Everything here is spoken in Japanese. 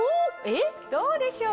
どうでしょう？